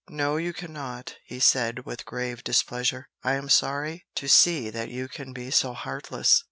"No, you cannot," he said with grave displeasure. "I am sorry to see that you can be so heartless.